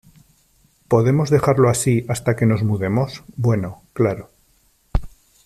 ¿ Podemos dejarlo así hasta que nos mudemos ? Bueno , claro .